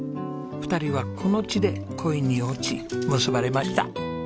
２人はこの地で恋に落ち結ばれました。